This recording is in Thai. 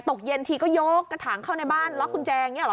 ตกเย็นทีก็ยกกระถางเข้าในบ้านล็อกกุญแจอย่างนี้เหรอ